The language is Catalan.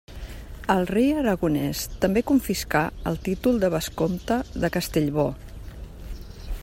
El rei aragonès també confiscà el títol de vescomte de Castellbò.